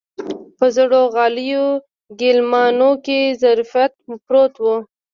په زړو غاليو ګيلمانو کې ظرافت پروت و.